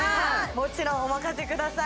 もちろんお任せください